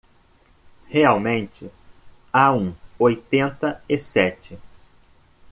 Realmente há um oitenta e sete